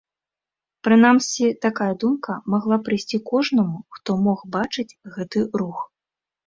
Прынамсі, такая думка магла прыйсці кожнаму, хто мог бачыць гэты рух.